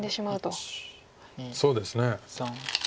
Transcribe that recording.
そうですね。